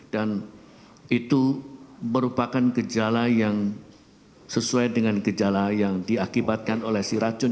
dan itu merupakan gejala yang sesuai dengan gejala yang diakibatkan oleh si racun